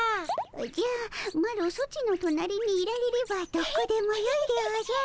おじゃマロソチの隣にいられればどこでもよいでおじゃる。